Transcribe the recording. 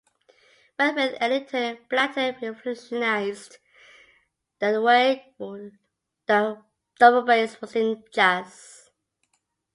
When with Ellington, Blanton revolutionized the way the double bass was used in jazz.